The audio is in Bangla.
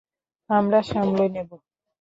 আমরা সামলে নেব।